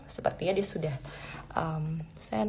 sepertinya dia sudah send